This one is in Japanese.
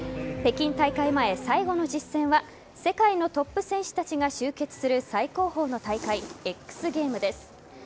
北京大会前、最後の実戦は世界のトップ選手たちが集結する最高峰の大会Ｘゲームです。